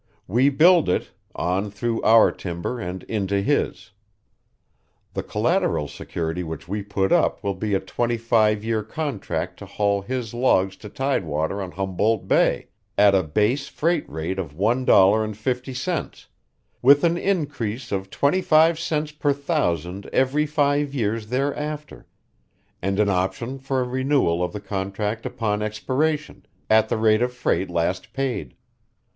We build it on through our timber and into his. The collateral security which we put up will be a twenty five years contract to haul his logs to tidewater on Humboldt Bay, at a base freight rate of one dollar and fifty cents, with an increase of twenty five cents per thousand every five years thereafter, and an option for a renewal of the contract upon expiration, at the rate of freight last paid.